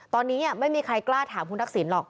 ตอนนี้ไม่มีใครกล้าถามคุณทักษิณหรอก